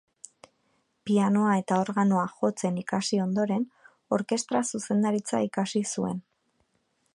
Pianoa eta organoa jotzen ikasi ondoren, orkestra-zuzendaritza ikasi zuen.